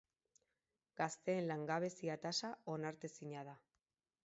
Gazteen langabezia tasa onartezina da.